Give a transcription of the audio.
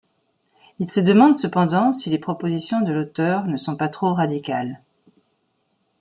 Il se demande cependant si les propositions de l'auteure ne sont pas trop radicales.